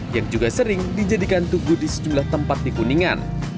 yang juga sering dijadikan tugudis jumlah tempat di kuningan